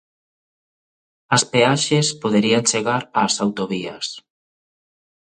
As peaxes poderían chegar ás autovías.